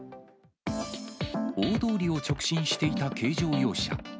大通りを直進していた軽乗用車。